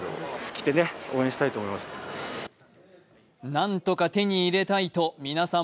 何とか手に入れたいと皆さん、